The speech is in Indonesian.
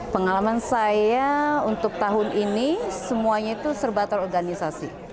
pengalaman saya untuk tahun ini semuanya itu serbatan organisasi